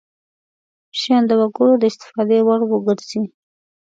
شیان د وګړو د استفادې وړ وګرځي.